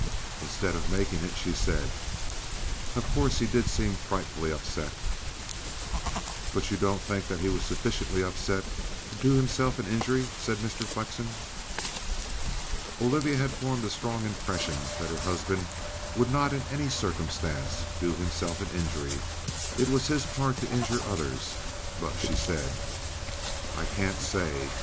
Instead of making it she said: "Of course, he did seem frightfully upset." "But you don't think that he was sufficiently upset to do himself an injury?" said Mr. Flexen. Olivia had formed a strong impression that her husband would not in any circumstance do himself an injury; it was his part to injure others. But she said: "I can't say.